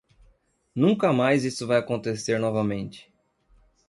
Nunca mais isso vai acontecer novamente.